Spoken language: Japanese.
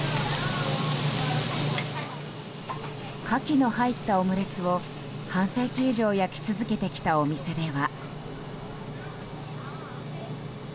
カキの入ったオムレツを半世紀以上焼き続けてきたお店では。